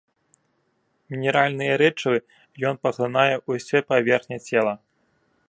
Мінеральныя рэчывы ён паглынае ўсёй паверхняй цела.